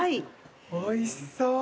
おいしそう。